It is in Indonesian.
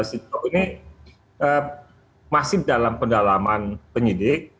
sejauh ini masih dalam pendalaman penyidik